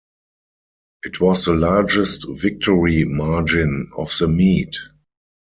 It was the largest victory margin of the meet.